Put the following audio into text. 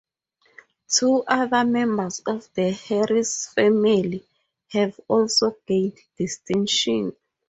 Two other members of the Harris family have also gained distinction.